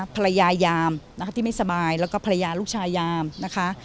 พยายามนะคะที่ไม่สบายแล้วก็ภรรยาลูกชายยามนะคะ